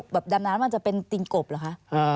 ดำน้ำมันจะเป็นตินกบเหรอคะ